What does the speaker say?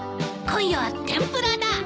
今夜は天ぷらだ。